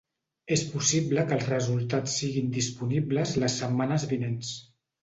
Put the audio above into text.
És possible que els resultats siguin disponibles les setmanes vinents.